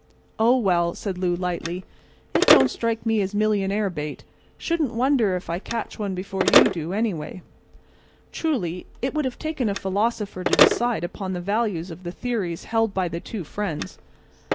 "Oh, well," said Lou lightly, "it don't strike me as millionaire bait. Shouldn't wonder if I catch one before you do, anyway." Truly it would have taken a philosopher to decide upon the values of the theories held by the two friends.